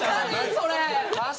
それ！